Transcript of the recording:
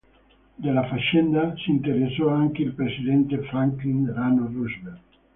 Della faccenda si interessò anche il presidente Franklin Delano Roosevelt.